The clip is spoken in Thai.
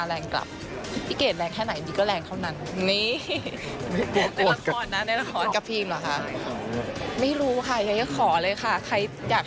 แล้วกับพี่เกดยังไงบ้างไหมค่ะเวลาแบบ